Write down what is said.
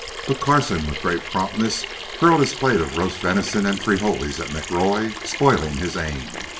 But Carson, with great promptness, hurled his plate of roast venison and frijoles at McRoy, spoiling his aim.